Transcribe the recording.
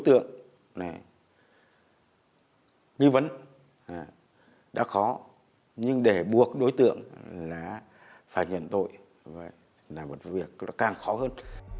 tượng này nghi vấn đã khó nhưng để buộc đối tượng là phải nhận tội là một việc nó càng khó hơn